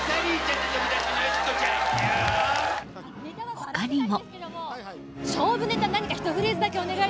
他にも。